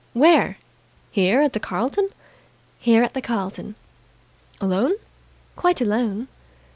"Where? Here at the 'Carlton'?" "Here at the 'Carlton'!" "Alone?" "Quite alone."